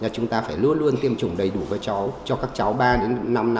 chúng ta phải luôn luôn tiêm chủng đầy đủ cho các cháu ba năm năm